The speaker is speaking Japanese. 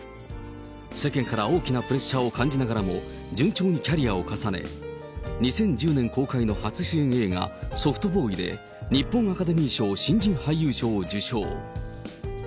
世間から大きなプレッシャーを感じながらも順調にキャリアを重ね、２０１０年公開の初主演映画、ソフトボーイで日本アカデミー賞新人俳優賞を受賞。